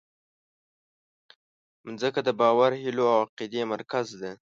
مځکه د باور، هیلو او عقیدې مرکز ده.